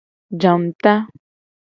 Janguta.